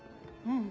うん。